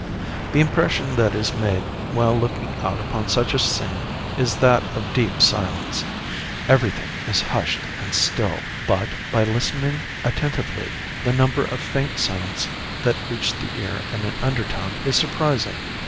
The impression that is made while looking out upon such a scene is that of deep silence. Everything is hushed and still; but, by listening attentively, the number of faint sounds that reach the ear in an undertone is surprising.